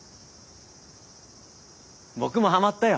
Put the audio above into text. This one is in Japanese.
僕もハマったよ。